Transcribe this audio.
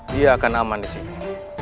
dia akan aman di sini